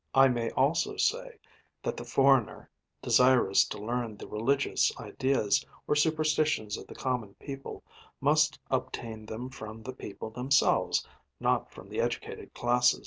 I may also say that the foreigner desirous to learn the religious ideas or superstitions of the common people must obtain them from the people themselves not from the educated classes.